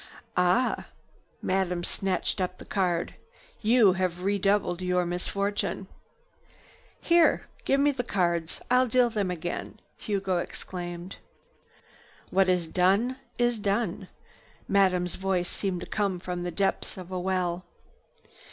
"Ah!" Madame snatched at the card. "You have redoubled your misfortune." "Here! Give me the cards! I'll deal them again!" Hugo exclaimed. "What is done is done." Madame's voice seemed to come from the depths of a well.